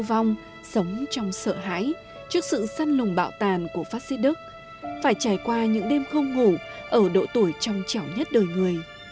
tử vong sống trong sợ hãi trước sự săn lùng bạo tàn của phát xít đức phải trải qua những đêm không ngủ ở độ tuổi trong chẻo nhất đời người